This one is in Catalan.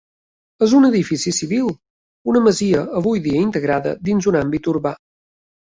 És un edifici civil, una masia avui dia integrada dins un àmbit urbà.